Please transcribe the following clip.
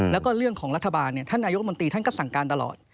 แล้วก็เรื่องของรัฐบาลท่านนายกรัฐมนตรีท่านก็สั่งการตลอด